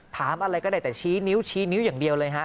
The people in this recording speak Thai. ถามอะไรก็ได้แต่ชี้นิ้วชี้นิ้วอย่างเดียวเลยฮะ